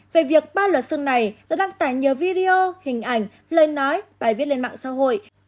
về việc ba luật sư này đã đăng tải nhiều video hình ảnh lời nói bài viết lên mạng xã hội